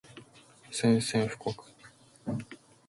宣戦布告